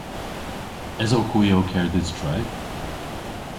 Esowgh hwi ow kerdhes tre?